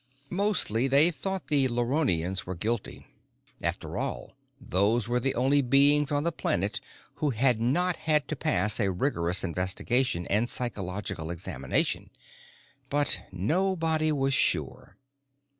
_ Mostly, they thought the Luronians were guilty. After all, those were the only beings on the planet who had not had to pass a rigorous investigation and psychological examination. But nobody was sure.